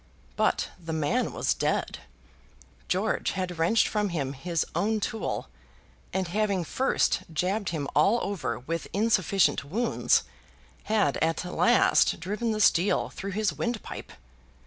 But the man was dead. George had wrenched from him his own tool, and having first jabbed him all over with insufficient wounds, had at last driven the steel through his windpipe.